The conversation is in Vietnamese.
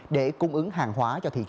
để cung ứng hàng hóa cho thị trường